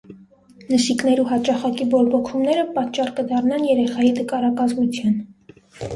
Նշիկներու յաճախակի բորբոքումները պատճառ կը դառնան երեխայի տկարակազմութեան։